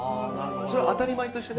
それは当たり前としてね